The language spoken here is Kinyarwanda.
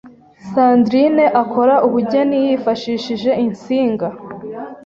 Sandrine akora ubugeni yifashishije insinga